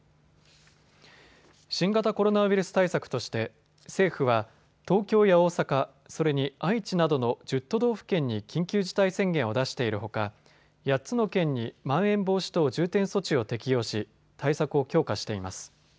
新型コロナウイルス対策として政府は東京や大阪、それに愛知などの１０都道府県に緊急事態宣言を出しているほか８つの県にまん延防止等重点措置を適用し対策を強化しています。